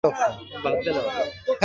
বাড়িতে কীভাবে যাব?